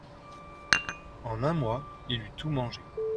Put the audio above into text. En un mois, il eut tout mangé.